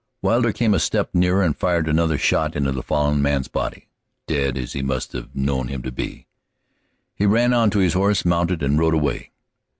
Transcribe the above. Wilder came a step nearer and fired another shot into the fallen man's body, dead as he must have known him to be. He ran on to his horse, mounted, and rode away.